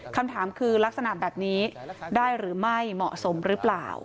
คำถามคือลักษณะแบบนี้ได้หรือไม่เหมาะสมหรือเปล่า